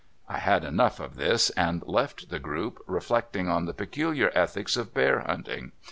I had enough of this, and left the group, reflect ing on the peculiar ethics of bear hunting.